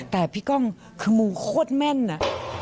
แต่พี่ก้องคือมูโคตรแม่นอะ